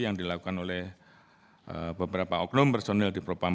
yang dilakukan oleh beberapa oknum personil dipo pam